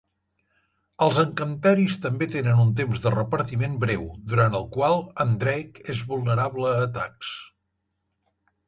Els encanteris també tenen un temps de repartiment breu, durant el qual en Drake és vulnerable a atacs.